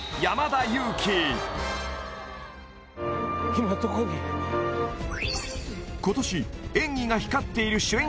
今どこに今年演技が光っている主演